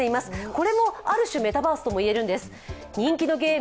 これもある種、メタバースとも言えるんです。